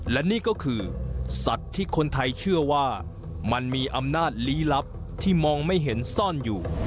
และนี่ก็คือสัตว์ที่คนไทยเชื่อว่ามันมีอำนาจลี้ลับที่มองไม่เห็นซ่อนอยู่